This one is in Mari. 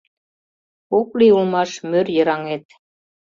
Ок лий улмаш мӧр йыраҥет